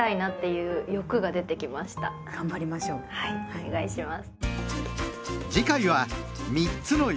お願いします。